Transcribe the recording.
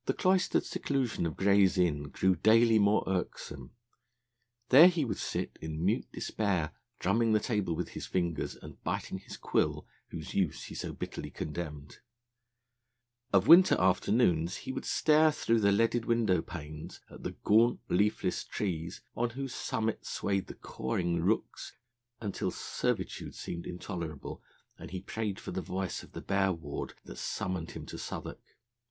The cloistered seclusion of Gray's Inn grew daily more irksome. There he would sit, in mute despair, drumming the table with his fingers, and biting the quill, whose use he so bitterly contemned. Of winter afternoons he would stare through the leaded window panes at the gaunt, leafless trees, on whose summits swayed the cawing rooks, until servitude seemed intolerable, and he prayed for the voice of the bearward that summoned him to Southwark.